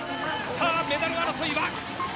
さあ、メダル争いは？